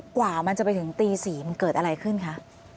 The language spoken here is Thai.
กว่ามันจะไปถึงตี๔มันเกิดอะไรขึ้นคะ